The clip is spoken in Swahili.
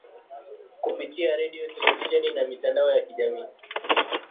kupitia redio televisheni na mitandao ya kijamii